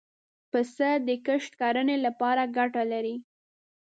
پسه د کښت کرنې له پاره ګټه لري.